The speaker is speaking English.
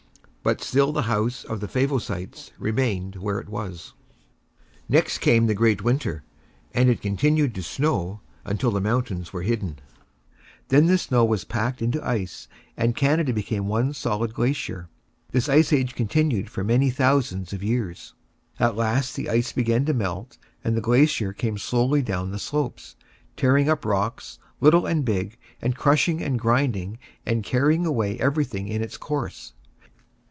But still the house of the Favosites remained where it was. Next came the great winter, and it continued to snow till the mountains were hidden. Then the snow was packed into ice, and Canada became one solid glacier. This ice age continued for many thousands of years. At last the ice began to melt, and the glacier came slowly down the slopes, tearing up rocks, little and big, and crushing and grinding and carrying away everything in its course.